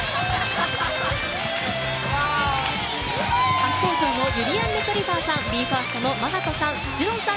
初登場のゆりやんレトリィバァさんＢＥ：ＦＩＲＳＴのＭＡＮＡＴＯさんＪＵＮＯＮさん